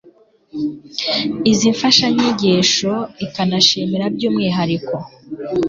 izi mfashanyigisho ikanashimira by'umwihariko